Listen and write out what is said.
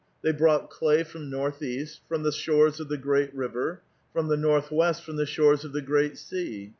They brought clay from north east, from the shores of the great river ; from the north west, from the shores of the great sea.